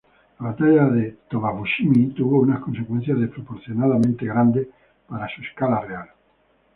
La Batalla de Toba-Fushimi tuvo unas consecuencias desproporcionadamente grandes para su escala real.